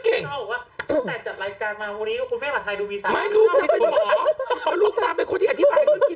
ตั้งแต่จัดรายการมาตอนนี้คุณเพศมาถ่ายดูวีซัย